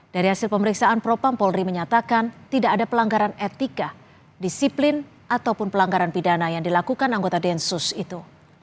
dari hasil pemeriksaan propam polri menyatakan tidak ada pelanggaran etika disiplin ataupun pelanggaran pidana yang dilakukan anggota densus itu